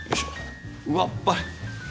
うわっぱり。